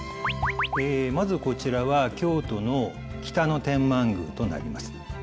まずこちらは京都の北野天満宮となります。